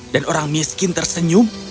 dan orang miskin tersenyum